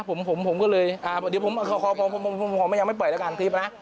ผมก็เลยเดี๋ยวผมยังไม่เปิดแล้วกันคลิปนะ